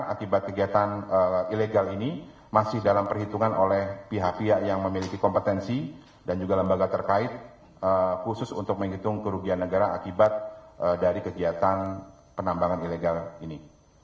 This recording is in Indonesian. akibat kegiatan ilegal ini masih dalam perhitungan oleh pihak pihak yang memiliki kompetensi dan juga lembaga terkait khusus untuk menghitung kerugian negara akibat dari kegiatan penambangan ilegal ini